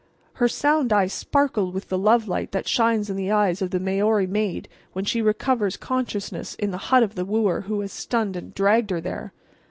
Her sound eye sparkled with the love light that shines in the eye of the Maori maid when she recovers consciousness in the hut of the wooer who has stunned and dragged her there.